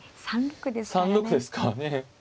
３六ですからね。